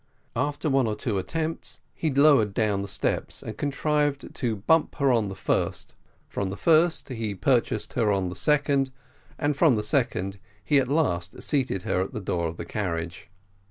After one or two attempts, he lowered down the steps, and contrived to bump her on the first, from the first he purchased her on the second, and from the second he at last seated her at the door of the carriage.